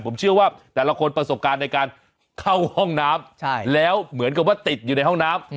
ผมเชื่อว่าแต่ละคนประสบการณ์ในการเข้าห้องน้ำแล้วเหมือนกับว่าติดอยู่ในห้องน้ำ